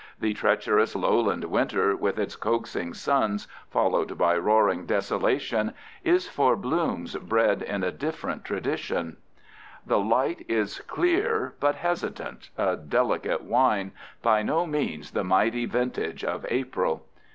The treacherous lowland winter, with its coaxing suns followed by roaring desolation, is for blooms bred in a different tradition. The light is clear but hesitant, a delicate wine, by no means the mighty vintage of April.